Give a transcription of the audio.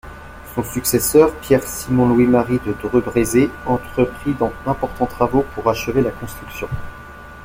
Son successeur, Pierre-Simon-Louis-Marie de Dreux-Brézé entreprit d'importants travaux pour achever la construction.